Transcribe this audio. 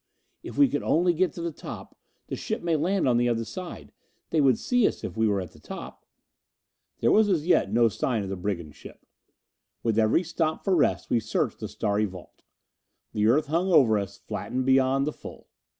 If we could only get to the top the ship may land on the other side they would see us if we were at the top." There was as yet no sign of the brigand ship. With every stop for rest we searched the starry vault. The Earth hung over us, flattened beyond the full.